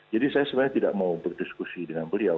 jadi saya sebenarnya tidak mau berdiskusi dengan beliau